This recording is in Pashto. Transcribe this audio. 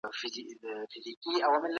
ادعاوي هيڅ علمي بنسټ نه لري، حتی له برتري